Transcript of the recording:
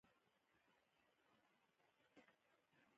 زړه ټول بدن ته وینه پمپ کوي